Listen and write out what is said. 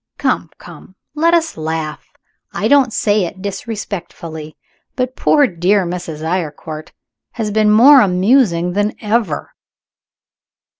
Come! come! let us laugh. I don't say it disrespectfully, but poor dear Mrs. Eyrecourt has been more amusing than ever.